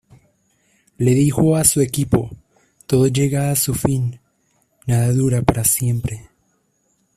Le dijo a su equipo: "Todo llega a su fin; nada dura para siempre.